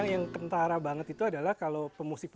yang kentara banget itu adalah kalau pemusik